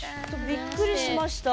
びっくりしました。